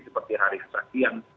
seperti hari setahun